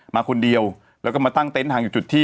มาคนเดียวแล้วก็มาตั้งเต็นต์ทางอยู่จุดที่